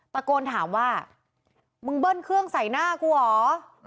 ตะโกนถามว่ามึงเบิ้ลเครื่องใส่หน้ากูเหรอ